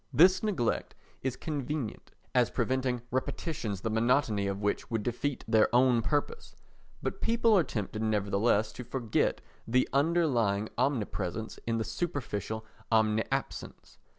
This neglect is convenient as preventing repetitions the monotony of which would defeat their own purpose, but people are tempted nevertheless to forget the underlying omnipresence in the superficial omniabsence.